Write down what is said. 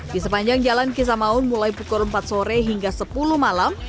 di sepanjang jalan kisah maun mulai pukul empat sore hingga sepuluh malam